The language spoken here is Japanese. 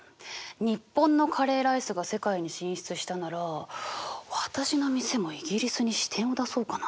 日本のカレーライスが世界に進出したなら私の店もイギリスに支店を出そうかな？